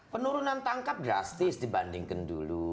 penurunan tangkap drastis dibandingkan dulu